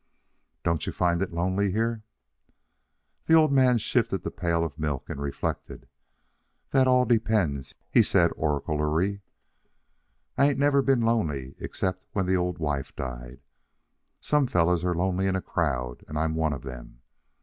"Don't you find it lonely here?" The old man shifted the pail of milk and reflected. "That all depends," he said oracularly. "I ain't never been lonely except when the old wife died. Some fellers are lonely in a crowd, and I'm one of them.